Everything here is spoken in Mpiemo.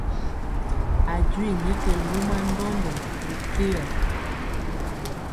A jwii nyɛ kɛ luma ndɔndɔ ri keyɔ.